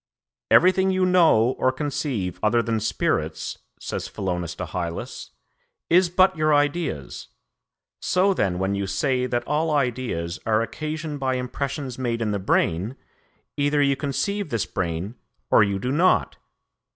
"'Everything you know or conceive other than spirits,' says Philonous to Hylas, 'is but your ideas; so then when you say that all ideas are occasioned by impressions made in the brain, either you conceive this brain or you do not.